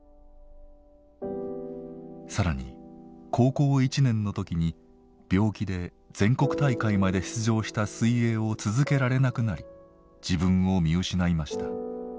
更に高校１年の時に病気で全国大会まで出場した水泳を続けられなくなり自分を見失いました。